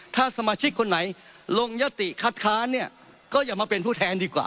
ถ้าสมาชิกคนไหนลงยติคัดค้านเนี่ยก็อย่ามาเป็นผู้แทนดีกว่า